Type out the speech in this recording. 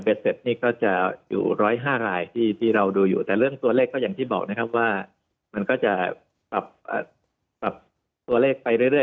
เสร็จนี่ก็จะอยู่๑๐๕รายที่เราดูอยู่แต่เรื่องตัวเลขก็อย่างที่บอกนะครับว่ามันก็จะปรับตัวเลขไปเรื่อย